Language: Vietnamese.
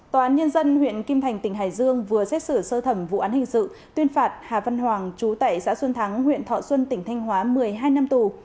tòa án nhân dân huyện kim thành tỉnh hải dương vừa xét xử sơ thẩm vụ án hình sự tuyên phạt hà văn hoàng chú tẩy xã xuân thắng huyện thọ xuân tỉnh thanh hóa một mươi hai năm tù